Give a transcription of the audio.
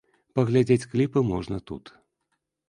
Паглядзець кліпы можна тут.